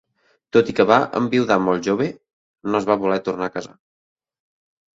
Tot i que va enviudar molt jove, no es va voler tornar a casar.